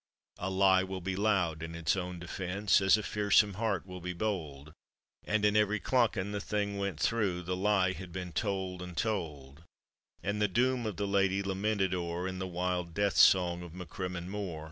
A lie will be loud in its own defense, As a fearsome heart will be bold; ' And in every clachan the thing went through, The lie h,ad been told and told, And the dool of the lady lamented o'er In the wild death song of Macrimmon Mor.